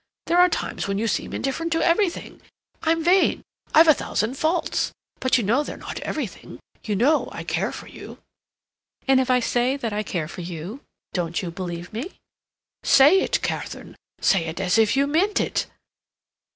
There are times when you seem indifferent to everything. I'm vain, I've a thousand faults; but you know they're not everything; you know I care for you." "And if I say that I care for you, don't you believe me?" "Say it, Katharine! Say it as if you meant it!